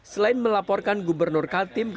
selain melaporkan gubernur kaltim